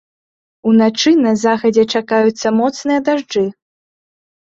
Уначы на захадзе чакаюцца моцныя дажджы.